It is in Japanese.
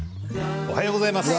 おはようございます。